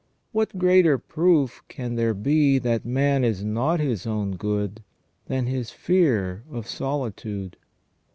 What greater proof can there be that man is not his own good, than his fear of solitude